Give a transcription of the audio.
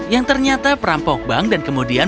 yang ternyata perampok bank dan kemudian